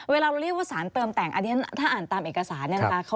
เวลาเราเรียกว่าสารเติมแต่งอันนี้ถ้าอ่านตามเอกสารเนี่ยนะคะ